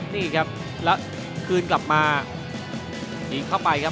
นี่ครับแล้วคืนกลับมายิงเข้าไปครับ